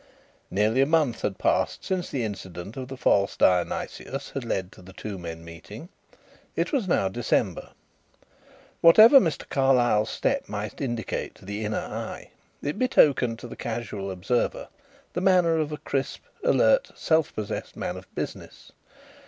Nearly a month had passed since the incident of the false Dionysius had led to the two men meeting. It was now December. Whatever Mr. Carlyle's step might indicate to the inner eye it betokened to the casual observer the manner of a crisp, alert, self possessed man of business.